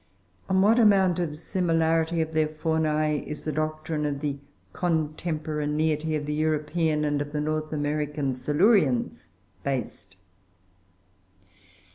On what amount of similarity of their faunae is the doctrine of the contemporaneity of the European and of the North American Silurians based?